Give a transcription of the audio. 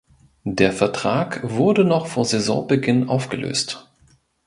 Der Vertrag wurde noch vor Saisonbeginn aufgelöst.